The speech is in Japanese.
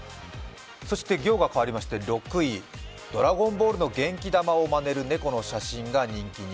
そして６位、「ドラゴンボール」の元気玉をまねる猫の写真が人気に。